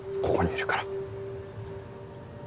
ここにいるから。